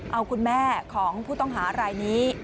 เอาคุณแม่ของผู้ต้องหารายนี้